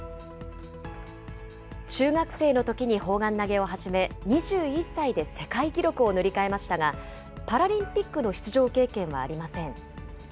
中学生のときに砲丸投げを始め、２１歳で世界記録を塗り替えましたが、パラリンピックの出場経験はありません。